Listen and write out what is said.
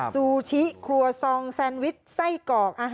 ซูชิครัวซองแซนวิชไส้กรอก